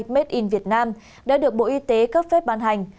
made in việt nam đã được bộ y tế cấp phép ban hành